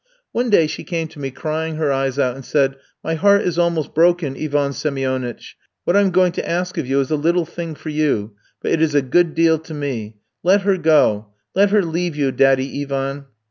One day she came to me crying her eyes out and said: 'My heart is almost broken, Ivan Semionytch; what I'm going to ask of you is a little thing for you, but it is a good deal to me; let her go, let her leave you, daddy Ivan.'